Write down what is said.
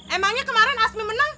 emangnya kemarin asmi menang